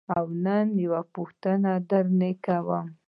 او نن یوه پوښتنه درنه کوم.